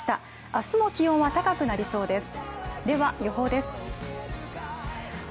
明日も気温は高くなりそうです。